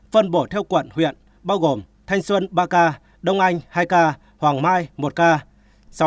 phân bổ theo quận huyện bao gồm thanh xuân ba ca đông anh hai ca hoàng mai một ca